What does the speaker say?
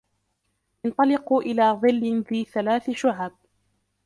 انطلقوا إلى ظل ذي ثلاث شعب